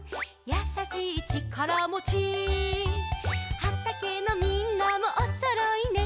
「やさしいちからもち」「はたけのみんなもおそろいね」